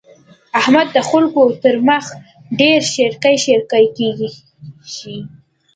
احمد د خلګو تر مخ ډېر شېرکی شېرکی کېږي.